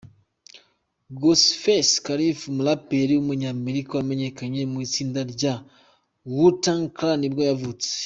Ghostface Killah, umuraperi w’umunyamerika wamenyekanye mu itsinda rya Wu Tang Clan nibwo yavutse.